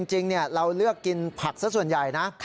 จริงเราเลือกกินผักสักส่วนใหญ่นะ